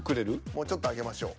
もうちょっとあげましょう。